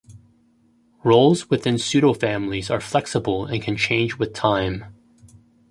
Roles within pseudofamilies are flexible and can change with time.